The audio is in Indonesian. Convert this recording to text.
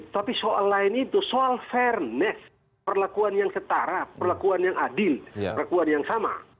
tapi soal lain itu soal fairness perlakuan yang setara perlakuan yang adil perlakuan yang sama